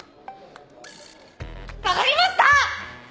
わかりました！